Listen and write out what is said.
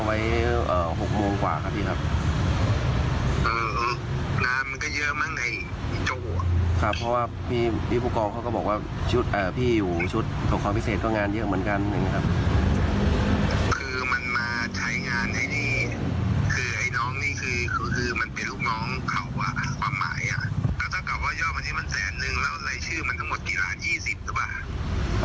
เดี๋ยวผมสรุปให้ผู้กองเขาดีกว่าครับ